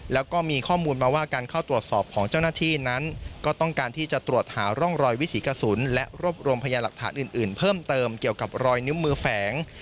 แล้วก็มีข้อมูลมาว่าการเข้าตรวจสอบของเจ้าหน้าที่นั้นก็ต้องการที่จะตรวจหาร่องรอยวิถีกระสุนและรวบรวมพยาหลักฐานอื่นเพิ่มเติมเกี่ยวกับรอยนิ้วมือแฝง